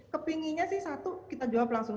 kepinginnya sih satu kita jawab langsung